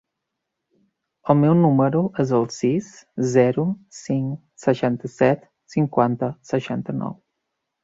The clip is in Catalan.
El meu número es el sis, zero, cinc, seixanta-set, cinquanta, seixanta-nou.